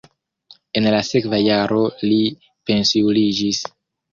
En la sekva jaro li pensiuliĝis.